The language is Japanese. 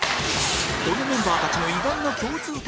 このメンバーたちの意外な共通点とは？